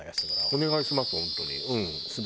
お願いします